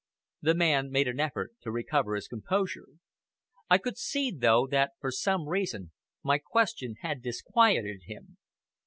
The man made an effort to recover his composure. I could see, though, that, for some reason, my question had disquieted him.